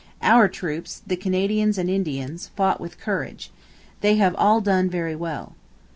'Our troops, the Canadians and Indians, fought with courage. They have all done very well.'